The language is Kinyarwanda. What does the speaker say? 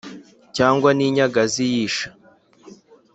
cyangwa n’inyagazi y’isha,